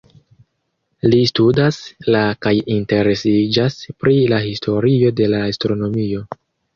Li studas la kaj interesiĝas pri la historio de la astronomio.